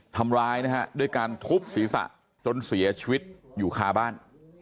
ทำร้ายนะฮะด้วยการทุบศีรษะจนเสียชีวิตอยู่คาบ้าน